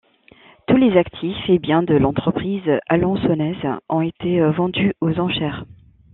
Tous les actifs et biens de l'entreprise alençonnaise ont été vendus aux enchères.